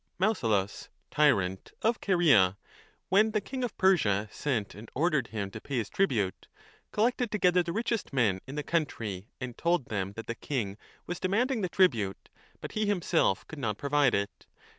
1 5 Mausolus, tyrant of Caria, when the king of Persia sent and ordered him to pay his tribute, collected together the richest men in the country and told them that the king was demanding the tribute, but he himself could not provide it.